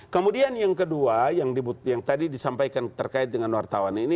kemudian yang kedua yang tadi disampaikan terkait dengan wartawan ini